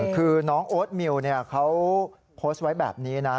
คือน้องโอ๊ตมิวเขาโพสต์ไว้แบบนี้นะ